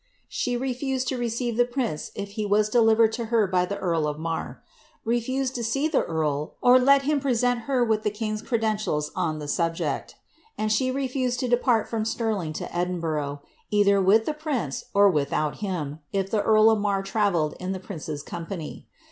She refused lo receire the priDte if he wm delivered lo her by the earl ot Marr, — refused (o sec the eaii, or lei him present her wiih ilie king's credentials on the subject, — aiid she refowil to depart from Stirling to Edinburgh, either with the prince or without him, if the earl of Marr travelled in the prince's company.